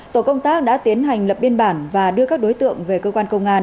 tổ công tác đã tiến hành lập biên bản và đưa các đối tượng về cơ quan công an